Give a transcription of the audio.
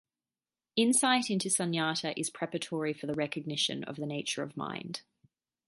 Insight into sunyata is preparatory for the recognition of the nature of mind.